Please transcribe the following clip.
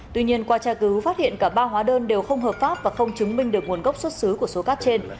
tuy nhiên qua tra cứu phát hiện cả ba hóa đơn đều không hợp pháp và không chứng minh được nguồn gốc xuất xứ của số cát trên